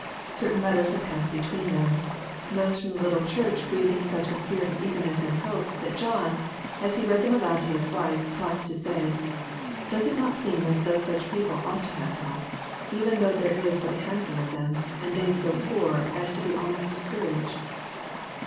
Certain letters had passed between them. Those from the little church breathing such a spirit of eager ness and hope, that John, as he read them aloud to his wife, paused to say, "Does it not seem as though such people ought to have help, even though there is but a handful of them, and they so poor as to be almost discouraged